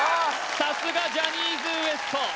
さすがジャニーズＷＥＳＴ